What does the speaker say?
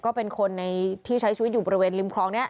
ก็เป็นคนในที่ใช้ชีวิตอยู่บริเวณริมคลองนี้